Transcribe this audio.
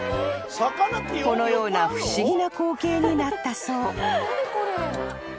［このような不思議な光景になったそう］